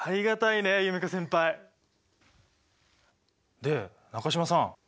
で中島さん